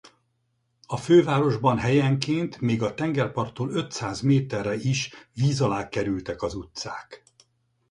A fővárosban helyenként még a tengerparttól ötszáz méterre is víz alá kerültek az utcák.